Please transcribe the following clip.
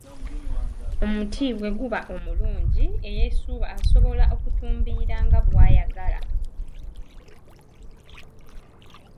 "Omuti bwe guba omulungi, eyeesuuba asobola okutumbiira nga bw’ayagala."